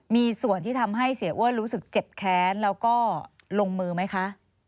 มีส่วนที่ทำให้เสียอ้วนรู้สึกเจ็บแค้นแล้วก็ลงมือไหมคะ